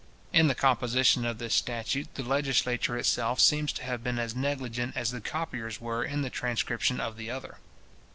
In the composition of this statute, the legislature itself seems to have been as negligent as the copiers were in the transcription of the other.